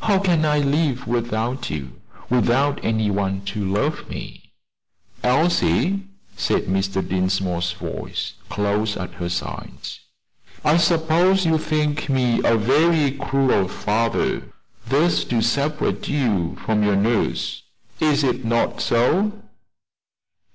How can I live without you without any one to love me?" "Elsie," said Mr. Dinsmore's voice, close at her side, "I suppose you think me a very cruel father thus to separate you from your nurse. Is it not so?"